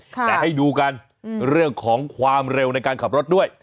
แต่ให้ดูกันเรื่องของความเร็วในการขับรถด้วย